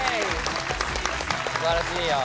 すばらしいよ。